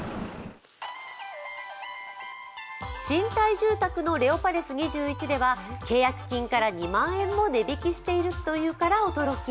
賃貸住宅のレオパレス２１では契約金から２万円も値引きしているというから驚き。